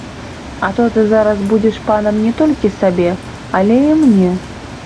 А то ты зараз будзеш панам не толькі сабе, але і мне.